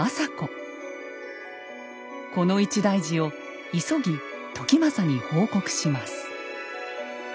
この一大事を急ぎ時政に報告します。